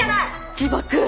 自爆！